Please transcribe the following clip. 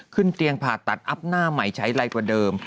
ขึ้นเตียงผ่าตัดอัพหน้าใหม่ใช้ไรกว่าเดิม